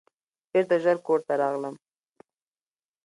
بیرته ژر کور ته راغلم.